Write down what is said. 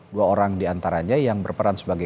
dua orang diantaranya yang berperan sebagai